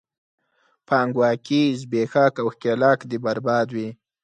پانګواکي، زبېښاک او ښکېلاک دې برباد وي!